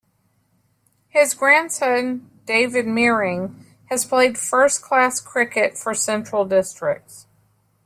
His grandson, David Meiring, has played first-class cricket for Central Districts.